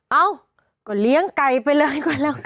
เอ้าก็เลี้ยงไก่ไปเลย